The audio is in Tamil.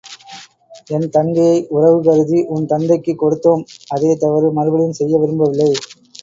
என் தங்கையை உறவு கருதி உன் தந்தைக்குக் கொடுத்தோம் அதே தவறு மறுபடியும் செய்ய விரும்பவில்லை.